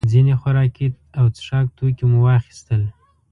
ځینې خوراکي او څښاک توکي مو واخیستل.